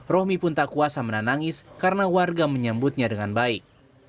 rohmi pun tak kuasa menangis karena warga menyambutnya dengan baik